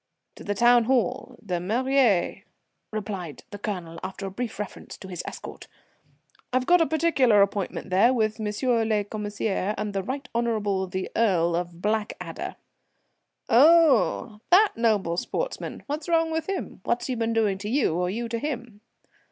"To the town hall, the mairie," replied the Colonel, after a brief reference to his escort. "I've got a particular appointment there with Monsieur le Commissaire, and the Right Honourable the Earl of Blackadder." "Oh! that noble sportsman? What's wrong with him? What's he been doing to you or you to him?"